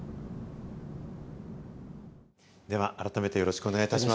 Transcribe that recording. では改めてよろしくお願いいたします。